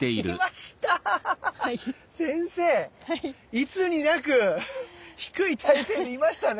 いつになく低い体勢でいましたね。